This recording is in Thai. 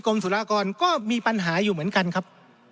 สุรากรก็มีปัญหาอยู่เหมือนกันครับ